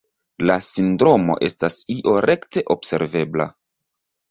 La sindromo estas io rekte observebla.